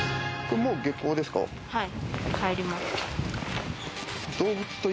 はい。